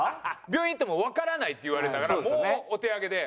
病院行っても「わからない」って言われたからもうお手上げで。